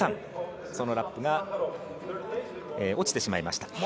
そのラップが落ちてしまいました。